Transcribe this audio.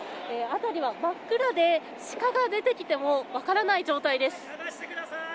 辺りは真っ暗でシカが出てきても分からない状態です。